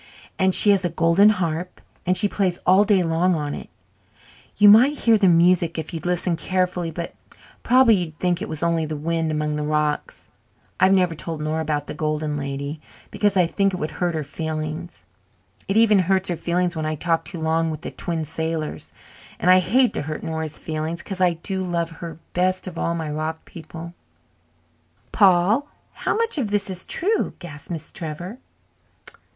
And she has a golden harp and she plays all day long on it you might hear the music if you'd listen carefully, but prob'bly you'd think it was only the wind among the rocks. I've never told Nora about the Golden Lady, because I think it would hurt her feelings. It even hurts her feelings when I talk too long with the Twin Sailors. And I hate to hurt Nora's feelings, because I do love her best of all my rock people." "Paul! How much of this is true?" gasped Miss Trevor.